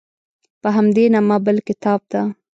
په همدې نامه بل کتاب ده.